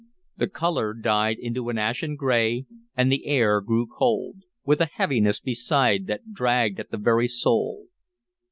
The color died into an ashen gray and the air grew cold, with a heaviness beside that dragged at the very soul.